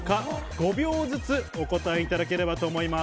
５秒ずつお答えいただければと思います。